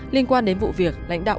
liên quan đến vụ việc lãnh đạo